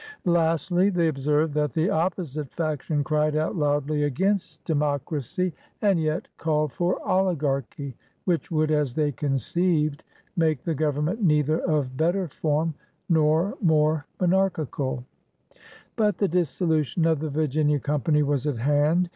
... Lastly, they observed that the opposite Faction cried out loudly against Democ BOYAL GOVERNMENT 107 racy, and yet called for Oligarchy; which would, as they conceived, make the Government neither of better Form, nor more monarchical/' But the dissolution of the Virginia Company was at hand.